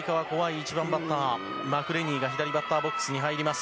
１番バッター、マクレニーが左バッターボックスに入ります。